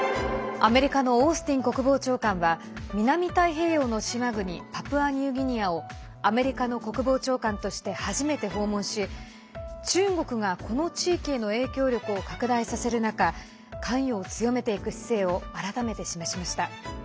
アメリカのオースティン国防長官は南太平洋の島国パプアニューギニアをアメリカの国防長官として初めて訪問し中国が、この地域への影響力を拡大させる中関与を強めていく姿勢を改めて示しました。